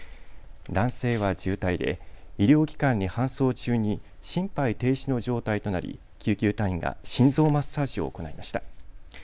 男性は重体で医療機関に搬送中に心肺停止の状態となり救急隊員が心臓マッサージを行いました。